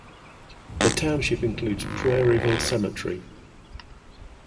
The township includes Prairieville Cemetery.